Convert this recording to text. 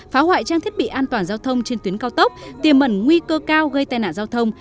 phá hoại trang thiết bị an toàn giao thông trên tuyến cao tốc tiềm mẩn nguy cơ cao gây tai nạn giao thông